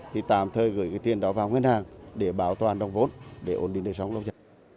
thì tạm thời gửi tiền đó vào nguyên hàng để bảo toàn đồng vốn để ổn định đời sống lâu dài